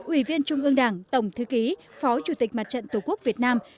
ủy viên trung ương đảng tổng thư ký phó chủ tịch mặt trận tổ quốc việt nam